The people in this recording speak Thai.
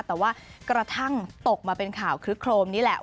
แต่ว่ากระทั่งตกมาเป็นข่าวคลึกโครมนี่แหละ